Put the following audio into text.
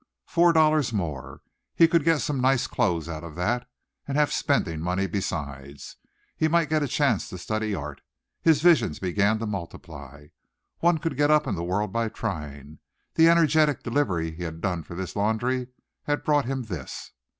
Four dollars more! He could get some nice clothes out of that and have spending money besides. He might get a chance to study art. His visions began to multiply. One could get up in the world by trying. The energetic delivery he had done for this laundry had brought him this.